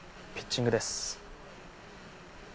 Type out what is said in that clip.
ピッチングです。